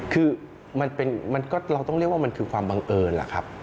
คือมันก็เราต้องเรียกว่ามันคือความบังเอิญล่ะครับ